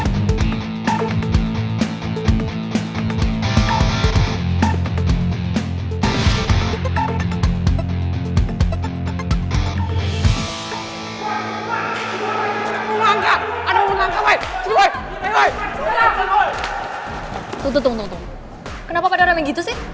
tunggu tunggu tunggu kenapa pada rame gitu sih